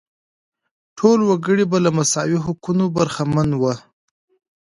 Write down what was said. ټول وګړي به له مساوي حقونو برخمن وو.